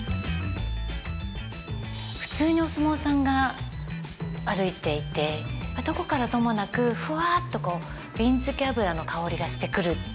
普通にお相撲さんが歩いていてどこからともなくフワっとこうびんつけ油の香りがしてくる。